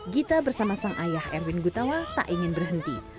gita bersama sang ayah erwin gutawa tak ingin berhenti